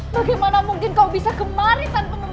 bagaimana mungkin kau bisa kemari tanpa membawa obat